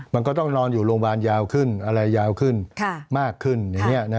มันก็ต้องนอนอยู่โรงพยาบาลยาวขึ้นอะไรยาวขึ้นมากขึ้นอย่างนี้